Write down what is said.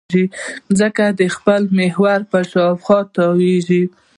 ځمکه د خپل محور په شاوخوا تاوېږي.